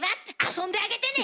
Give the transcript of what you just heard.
遊んであげてね！